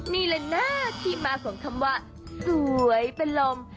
นี่แหละนะที่มาของคำว่าสวยเป็นลม